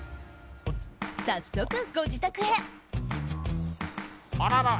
早速、ご自宅へ。